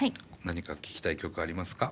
何か聴きたい曲ありますか？